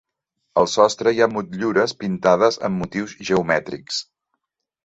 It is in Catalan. Al sostre hi ha motllures pintades amb motius geomètrics.